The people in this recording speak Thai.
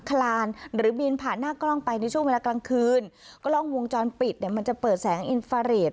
คลานหรือบินผ่านหน้ากล้องไปในช่วงเวลากลางคืนก็กล้องวงจรปิดเนี่ยมันจะเปิดแสงอินฟาเรท